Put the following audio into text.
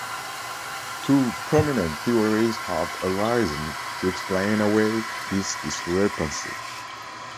Two prominent theories have arisen to explain away this discrepancy.